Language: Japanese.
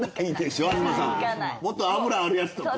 もっと脂あるやつとか。